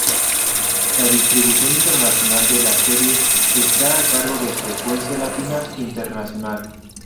La Distribución internacional de la serie está a cargo de Frecuencia Latina International.